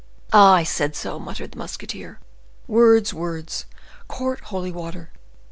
"Ah! I said so!" muttered the musketeer. "Words! words! Court holy water!